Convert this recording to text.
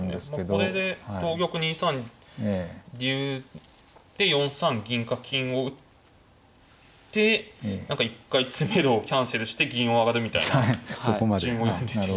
これで同玉２三竜で４三銀か金を打って何か一回詰めろをキャンセルして銀を上がるみたいな順を読んでて。